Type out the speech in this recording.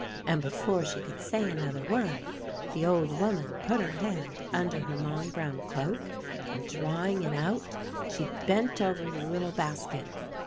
And before she could say another word, the old woman put her hand under her long brown cloak, and drawing it out, she bent over the little basket.